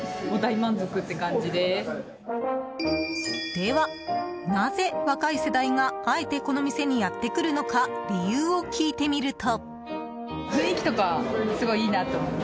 では、なぜ若い世代があえてこの店にやってくるのか理由を聞いてみると。